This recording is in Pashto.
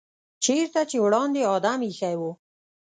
چېرته چې وړاندې آدم ایښی و.